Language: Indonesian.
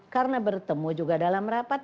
karena bertemu juga dalam rapat